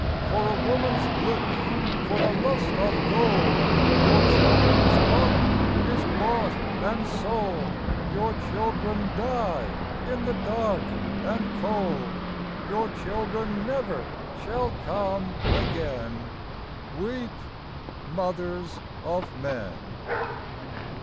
For a woman's lips, for the lust of gold, Your children's honour is bought and sold, Your children die in the dark and cold, Your children never shall come again Weep, mothers of men